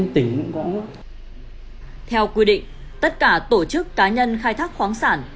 theo quy định tất cả tổ chức cá nhân khai thác khoáng sản